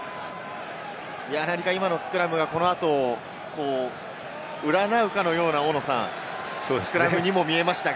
何か今のスクラムがこのあとをうらなうかのような、大野さん、スクラムにも見えまし